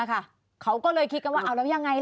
เขาก็เลยคิดว่าอั๊วแล้วยังไงล่ะ